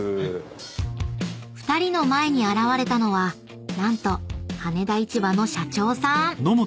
［２人の前に現れたのは何と羽田市場の社長さん］